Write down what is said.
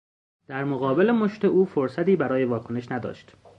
در مقابل مشت او فرصتی برای واکنش نداشت